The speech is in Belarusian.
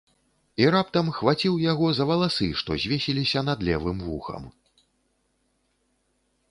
І раптам хваціў яго за валасы, што звесіліся над левым вухам.